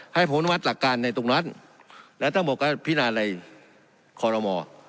ให้ผลวัตรหลักการในตรงรัฐและตั้งหมดการพินาศในคอลโรมอร์